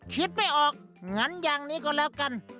คิดไม่ออกงั้นอย่างนี้ก็แล้วกัน